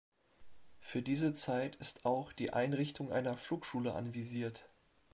Für diese Zeit ist auch die Einrichtung einer Flugschule anvisiert.